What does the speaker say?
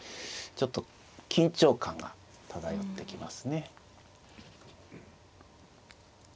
ちょっと緊張感が漂ってきますね。